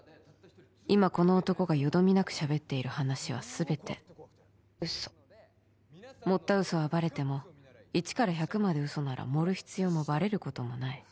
今この男がよどみなくしゃべっている話は全て嘘盛った嘘はバレても一から百まで嘘なら盛る必要もバレることもない・